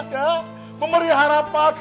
ya memberi harapan